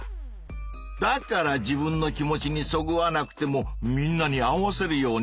だから自分の気持ちにそぐわなくてもみんなに合わせるようにするのか。